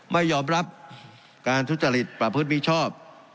ไม่ยอมรับการทุจริตประพฤติมิชอบ